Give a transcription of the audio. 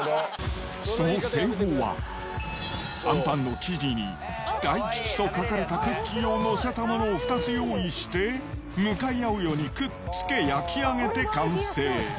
その製法は、あんぱんの生地に大吉と書かれたクッキーを載せたものを２つ用意して、向かい合うようにくっつけ、焼き上げて完成。